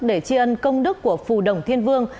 để tri ân công đức của phù đồng thiên vương